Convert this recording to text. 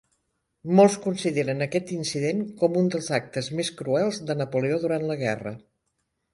Molts consideren aquest incident com un dels actes més cruels de Napoleó durant la guerra.